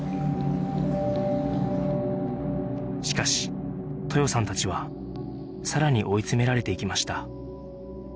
しかし豊さんたちはさらに追い詰められていきました